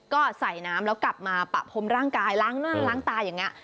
ก็ใส่น้ำแล้วกลับมาปะพรมร่างกายล้างหน้าล้างตาอย่างนี้